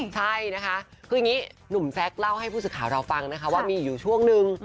ใช่นะคะคืออย่างนี้หนุ่มแซคเล่าให้ผู้สื่อข่าวเราฟังนะคะว่ามีอยู่ช่วงนึง